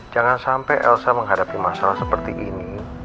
jangan sampai elsa menghadapi masalah seperti ini